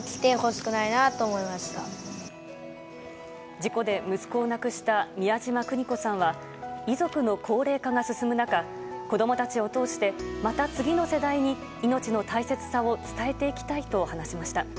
事故で息子を亡くした美谷島邦子さんは遺族の高齢化が進む中子供たちを通してまた次の世代に命の大切さを伝えていきたいと話しました。